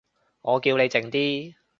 我叫你靜啲